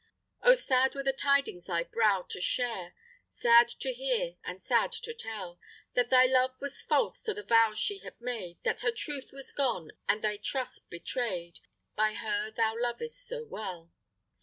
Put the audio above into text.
Oh! sad were the tidings thy brow to shade, Sad to hear and sad to tell; That thy love was false to the vows she had made, That her truth was gone, and thy trust betray'd By her thou lovest so well.